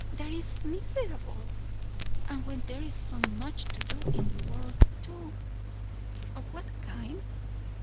That is miserable; and when there is so much to do in the world, too!" "Of what kind?"